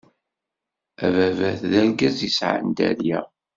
Ababat d argaz yesɛan dderya.